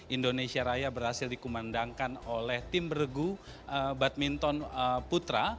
indonesia raya berhasil dikumandangkan oleh tim bergu badminton putra